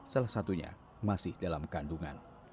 salah satunya masih dalam kandungan